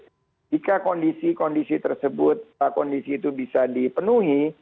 jika kondisi kondisi tersebut kondisi itu bisa dipenuhi